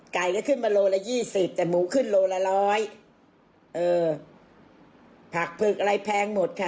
ไก่ก็ขึ้นมาโลละยี่สิบแต่หมูขึ้นโลละร้อยเออผักผึกอะไรแพงหมดค่ะ